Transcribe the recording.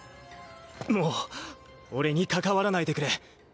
もう俺に関わらないでくれ。